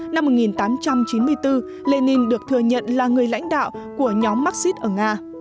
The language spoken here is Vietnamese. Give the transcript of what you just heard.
năm một nghìn tám trăm chín mươi bốn lenin được thừa nhận là người lãnh đạo của nhóm marxist ở nga